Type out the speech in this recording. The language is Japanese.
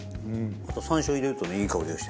山椒入れるとねいい香りがして。